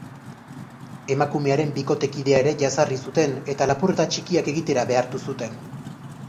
Emakumearen bikotekidea ere jazarri zuten, eta lapurreta txikiak egitera behartu zuten.